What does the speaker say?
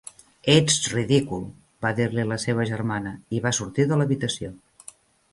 "Ets ridícul", va dir-li la seva germana i va sortir de l'habitació.